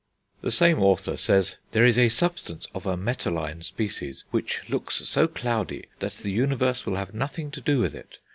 The same author says: "There is a substance of a metalline species which looks so cloudy that the universe will have nothing to do with it.